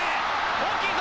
大きいぞ！